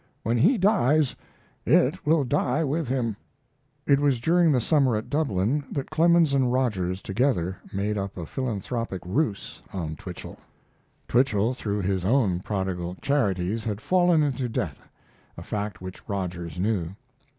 When he dies it will die with him." It was during the summer at Dublin that Clemens and Rogers together made up a philanthropic ruse on Twichell. Twichell, through his own prodigal charities, had fallen into debt, a fact which Rogers knew.